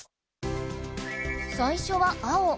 最初は青。